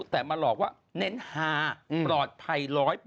แต่มาหลอกว่าเน้นฮาปลอดภัย๑๐๐